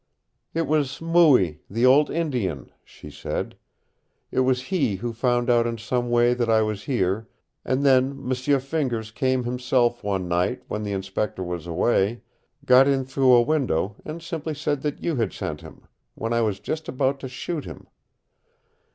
"It was Mooie, the old Indian," she said. "It was he who found out in some way that I was here, and then M'sieu Fingers came himself one night when the Inspector was away got in through a window and simply said that you had sent him, when I was just about to shoot him.